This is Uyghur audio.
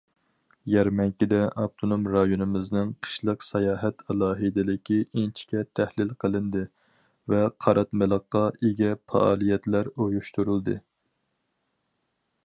يەرمەنكىدە ئاپتونوم رايونىمىزنىڭ قىشلىق ساياھەت ئالاھىدىلىكى ئىنچىكە تەھلىل قىلىندى ۋە قاراتمىلىققا ئىگە پائالىيەتلەر ئۇيۇشتۇرۇلدى.